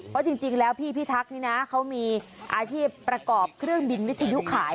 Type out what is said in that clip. เพราะจริงแล้วพี่พิทักษ์นี่นะเขามีอาชีพประกอบเครื่องบินวิทยุขาย